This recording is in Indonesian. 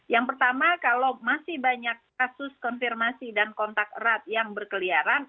yang pertama kalau masih banyak kasus konfirmasi dan kontak erat yang berkeliaran